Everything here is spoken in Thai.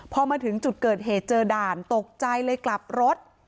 พอมาถึงจุดเกิดเหตุเจอด่านตกใจเลยกลับรถ